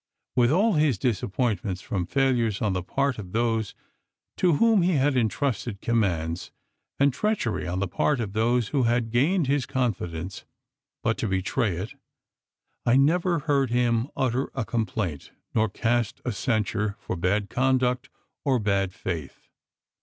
With all his disappointments from failures on the part of those to whom he had intrusted commands, and treachery on the part of those who had gained his confidence hut to betray it, I never heard him utter a complaint, nor cast a censure, for bad conduct or bad faith.